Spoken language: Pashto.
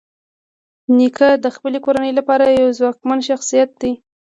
نیکه د خپلې کورنۍ لپاره یو ځواکمن شخصیت دی.